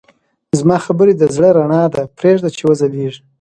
زما خبرې د زړه رڼا ده، پرېږده چې وځلېږي.